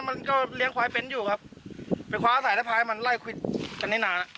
มันก็เลี้ยงควายเป็นอยู่ครับไปคว้าสายสะพายมันไล่ควิดกันนี่นานแล้ว